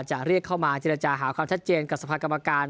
ใจราชาจะหาความชัดเจนกับสภาคกรรมการ